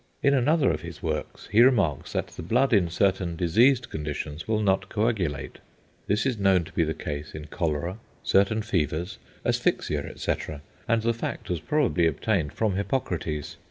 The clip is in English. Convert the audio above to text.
In another of his works he remarks that the blood in certain diseased conditions will not coagulate. This is known to be the case in cholera, certain fevers, asphyxia, etc.; and the fact was probably obtained from Hippocrates.